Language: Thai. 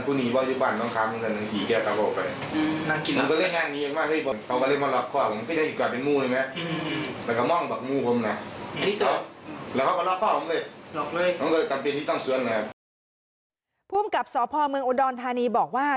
ภูมิกับสพเมืองอุดรธานีบอกว่า